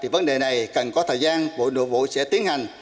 vấn đề này cần có thời gian bộ nội vụ sẽ tiến hành